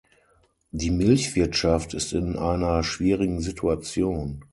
Die Milchwirtschaft ist in einer schwierigen Situation.